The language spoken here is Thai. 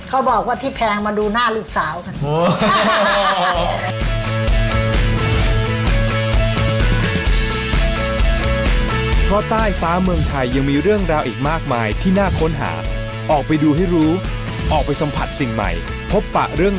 เขาบอกว่าพี่แพงมาดูหน้าลูกสาวกัน